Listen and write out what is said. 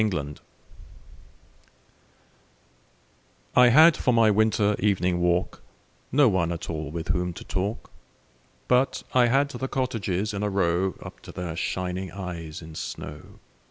Good Hours I HAD for my winter evening walk No one at all with whom to talk, But I had the cottages in a row Up to their shining eyes in snow.